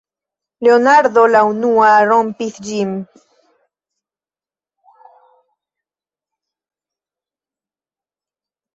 Leonardo la unua rompis ĝin: